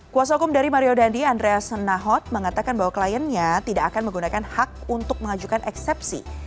kuasa hukum dari mario dandi andreas nahot mengatakan bahwa kliennya tidak akan menggunakan hak untuk mengajukan eksepsi